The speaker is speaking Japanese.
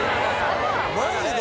マジで？